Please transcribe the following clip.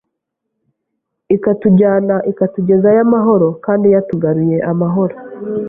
ikatujyana ikatugezayo amahoro kandi yatugaruye amahoro.